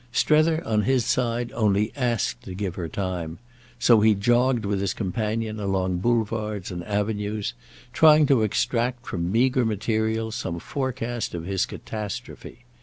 Strether, on his side, only asked to give her time; so he jogged with his companion along boulevards and avenues, trying to extract from meagre material some forecast of his catastrophe.